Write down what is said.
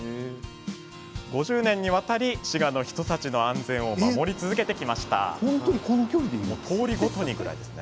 ５０年にわたり滋賀の人たちの安全を守り続けてきました。